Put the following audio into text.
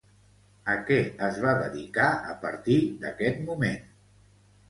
A què es va dedicar a partir d'aquest moment?